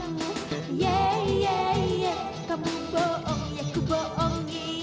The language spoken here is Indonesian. iyun iyun iyun